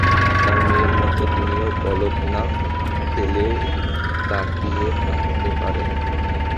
তাঁর মেয়ের মতো তিনিও পলক না- ফেলে তাকিয়ে থাকতে পারেন।